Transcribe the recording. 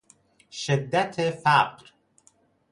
شدت فقر